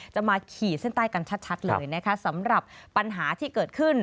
จะมาขี่เส้นใต้กันชัดเลยนะคะสำหรับปัญหาที่เกิดขึ้น